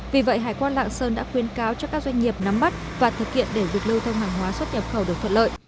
vì vậy hải quan lạng sơn đã khuyên cáo cho các doanh nghiệp nắm bắt và thực hiện để việc lưu thông hàng hóa xuất nhập khẩu được thuận lợi